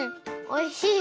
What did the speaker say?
おいしい。